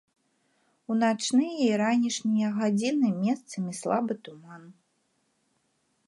У начныя і ранішнія гадзіны месцамі слабы туман.